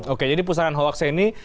oke jadi pusaran hoaks ini